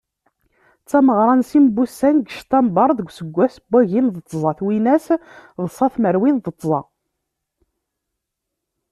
D tameɣra n sin n wussan deg cutember deg useggas n wagim d tẓa twinas d ṣa tmerwin d tẓa.